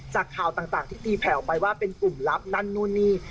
จากข่าวต่างที่ตีแผลออกไปว่าเป็นกลุ่มลับนั่นนู่นนี่